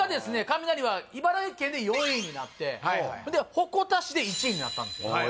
カミナリは茨城県で４位になって鉾田市で１位になったんですよああ